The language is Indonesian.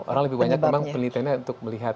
orang lebih banyak memang penelitiannya untuk melihat